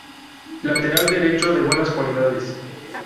Lateral derecho de buenas cualidades.